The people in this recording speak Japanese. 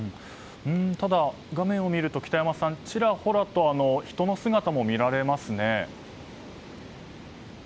ただ、画面を見るとちらほらと人の姿も見られますね。